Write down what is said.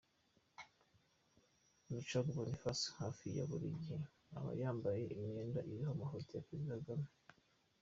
Rucagu Boniface hafi ya buri gihe aba yambaye imyenda iriho amafoto ya Perezida Kagame.